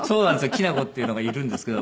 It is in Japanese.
きなこっていうのがいるんですけど。